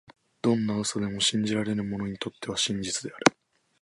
どんな嘘でも、信じられる者にとっては真実である。